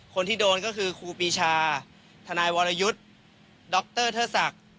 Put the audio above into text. คนที่โดนก็คือครูปีชาทนายวรยุทธ์ดรเทิดศักดิ์